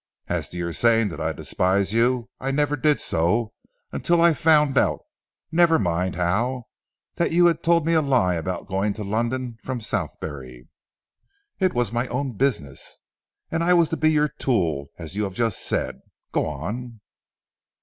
As to your saying that I despise you I never did so, until I found out never mind how that you had told me a lie about going to London from Southberry." "It was my own business." "And I was to be your tool, as you have just said. Go on."